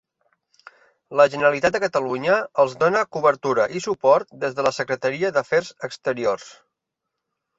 La Generalitat de Catalunya els dóna cobertura i suport des de la Secretaria d'Afers Exteriors.